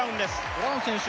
ブラウン選手